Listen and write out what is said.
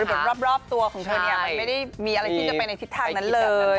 บทรอบตัวของเธอเนี่ยมันไม่ได้มีอะไรที่จะไปในทิศทางนั้นเลย